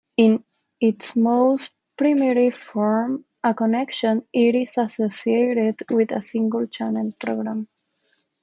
In its most primitive form, a connection is associated with a single channel program.